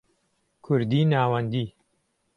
کوردیی ناوەندی